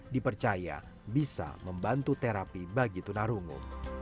dipercaya bisa membantu terapi bagi tunarungu